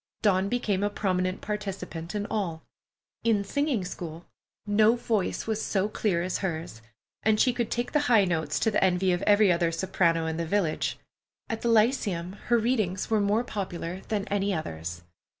Dawn became a prominent participant at all. In singing school, no voice was so clear as hers, and she could take the high notes to the envy of every other soprano in the village. At the Lyceum her readings were more popular than any others.